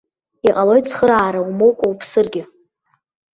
Иҟалоит цхыраара умоукәа уԥсыргь.